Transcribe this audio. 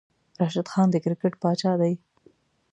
راشد خان د کرکیټ پاچاه دی